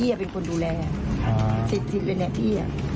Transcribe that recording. พี่เป็นคนดูแลจิลอ่ะพี่